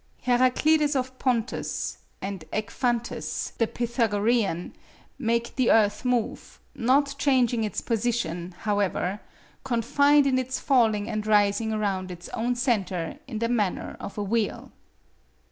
Heraklides of Pontus and Ekphantus the Pythagorean make the Earth move, not changing its position, however, confined in its falling and rising around its own center in the manner of a wheel."